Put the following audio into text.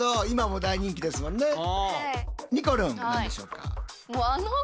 今も大人気ですもんね。